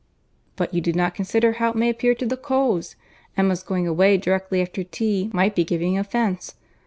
"But you do not consider how it may appear to the Coles. Emma's going away directly after tea might be giving offence.